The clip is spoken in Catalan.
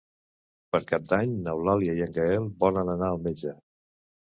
Per Cap d'Any n'Eulàlia i en Gaël volen anar al metge.